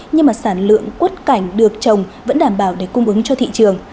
nhưng mà sản lượng quất cảnh được trồng vẫn đảm bảo để cung ứng cho thị trường